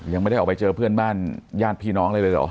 ยังไม่ได้ออกไปเจอเพื่อนบ้านญาติพี่น้องอะไรเลยเหรอ